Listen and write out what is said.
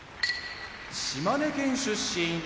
島根県出身